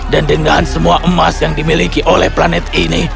dan dengan semua emas yang dimiliki oleh planet ini